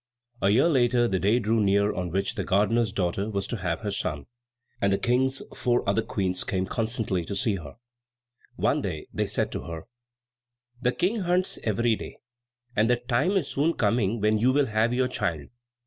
A year later the day drew near on which the gardener's daughter was to have her son; and the King's four other Queens came constantly to see her. One day they said to her, "The King hunts every day; and the time is soon coming when you will have your child.